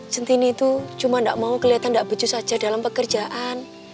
centini itu cuma enggak mau kelihatan enggak becus aja dalam pekerjaan